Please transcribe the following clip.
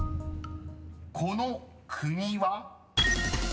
［この国は？］